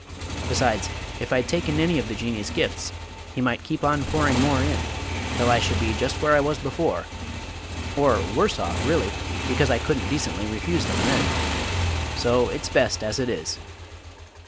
Besides, if I'd taken any of the Jinnee's gifts, he might keep on pouring more in, till I should be just where I was before or worse off, really, because I couldn't decently refuse them, then. So it's best as it is."